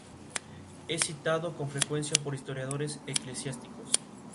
Francisco de Paula permitió el asentamiento de inquilinos en sus terrenos.